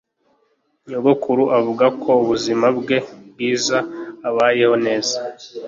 Nyogokuru avuga ko ubuzima bwe bwiza abayeho neza.